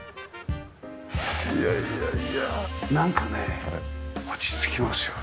いやいやいやなんかね落ち着きますよね。